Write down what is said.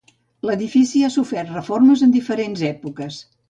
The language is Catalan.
L'edifici ha sofert reformes en diferents èpoques.